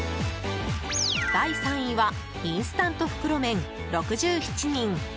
第３位はインスタント袋麺、６７人。